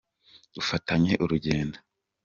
Dufatanye urugendo.